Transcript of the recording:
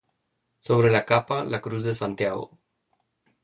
Sobre la capa, la cruz de Santiago.